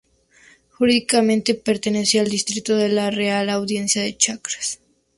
Judicialmente pertenecía al distrito de la Real Audiencia de Charcas.